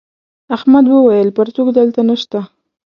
احمد وويل: پرتوگ دلته نشته.